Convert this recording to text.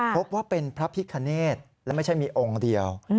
พบว่าเป็นพระพิคเนธและไม่ใช่มีองค์เดียว